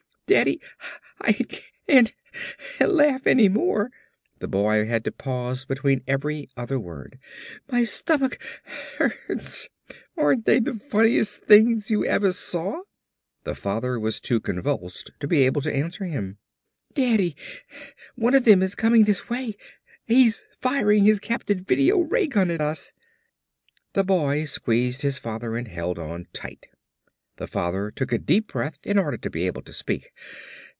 "Daddy, I can't laugh any more," the boy had to pause between every other word. "My stomach hurts. Aren't they the funniest things you ever saw?" The father was too convulsed to be able to answer him. "Daddy, one of them is coming this way! He's firing his Captain Video ray gun at us!" They boy squeezed his father and held on tight. The father took a deep breath in order to be able to speak.